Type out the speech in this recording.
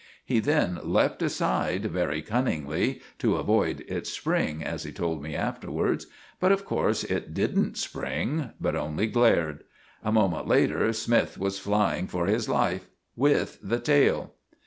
He then leapt aside very cunningly—to avoid its spring, as he told me afterwards; but of course it didn't spring, but only glared. A moment later Smythe was flying for his life—with the tail!